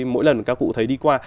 mỗi lần các cụ thấy đi qua